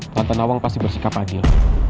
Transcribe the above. tante nawang pasti bersikap adil